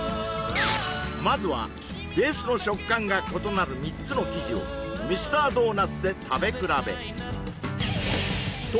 まずはベースの食感が異なる３つの生地をミスタードーナツで食べ比べと